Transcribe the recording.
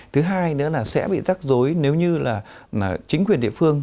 thứ hai nữa là sẽ bị tắc rối nếu như là chính quyền địa phương